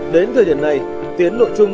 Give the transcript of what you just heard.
đến thời điểm này tiến lộ trung